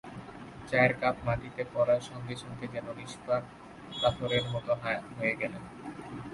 চায়ের কাপ মাটিতে পড়ার সঙ্গে সঙ্গে যেন নিস্প্রাণ পাথরের মতো হয়ে গেলেন।